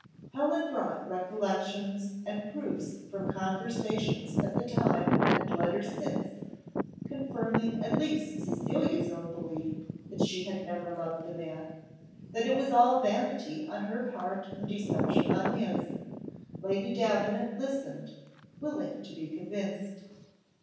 Helen brought recollections, and proofs from conversations at the time and letters since, confirming at least Cecilia's own belief that she had never loved the man, that it was all vanity on her part and deception on his: Lady Davenant listened, willing to be convinced.